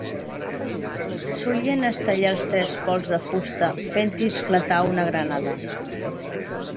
Solien estellar els trespols de fusta fent-hi esclatar una granada.